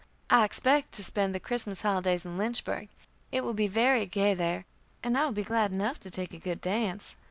I expect to spend the Christmas holidays in Lynchburg. It will be very gay there, and I will be glad enough to take a good dance.